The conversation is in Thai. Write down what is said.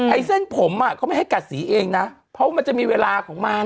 ไอ้เส้นผมอ่ะเขาไม่ให้กัดสีเองนะเพราะมันจะมีเวลาของมัน